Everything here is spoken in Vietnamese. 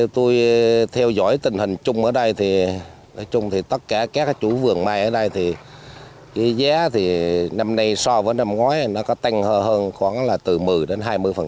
tôi theo dõi tình hình chung ở đây thì tất cả các chủ vườn mai ở đây thì cái giá thì năm nay so với năm ngoái nó có tanh hơn khoảng là từ một mươi đến hai mươi